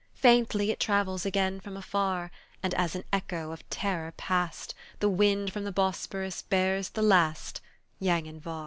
Faintly it travels again from afar, And as an echo of terror past The wind from the Bosphorus bears the last Yanghin var.